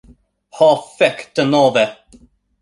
Ho fek' denove!